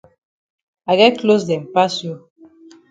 I get closs dem pass you.